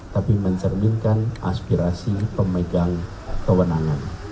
tapi mencerminkan aspirasi pemegang kewenangan